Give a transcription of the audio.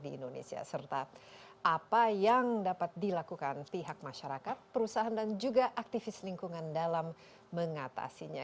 di indonesia serta apa yang dapat dilakukan pihak masyarakat perusahaan dan juga aktivis lingkungan dalam mengatasinya